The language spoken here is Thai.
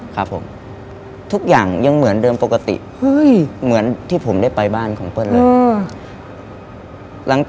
ครับผมทุกอย่างยังเหมือนเดิมปกติเหมือนที่ผมได้ไปบ้านของเปิ้ลเลย